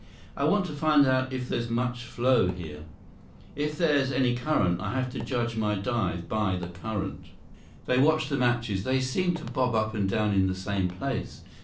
"I want to find out if there's much flow here. If there's any current. I have to judge my dive by the current." They watched the matches. They seemed to bob up and down in the same place.